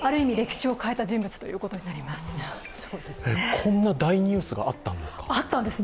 こんな大ニュースがあったんですか？